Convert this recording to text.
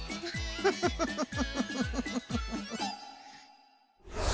フフフフフ！